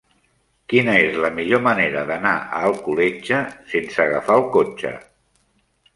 Quina és la millor manera d'anar a Alcoletge sense agafar el cotxe?